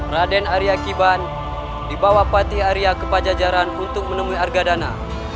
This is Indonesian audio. raden arya kiban dibawa pati arya ke pajajaran untuk menemui argadana